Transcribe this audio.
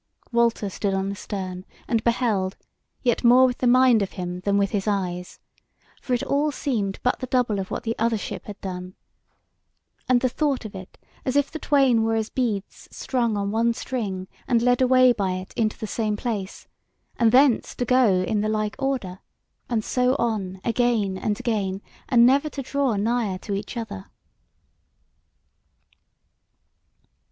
Walter stood on the stern and beheld, yet more with the mind of him than with his eyes; for it all seemed but the double of what the other ship had done; and the thought of it as if the twain were as beads strung on one string and led away by it into the same place, and thence to go in the like order, and so on again and again, and never to draw nigher to each other.